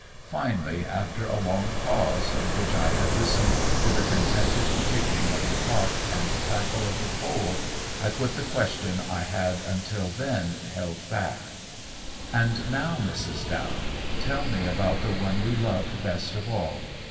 Finally, after a long pause in which I had listened to the contented ticking of the clock and the crackle of the coal, I put the question I had until then held back: "And now, Mrs. Dow, tell me about the one we loved best of all.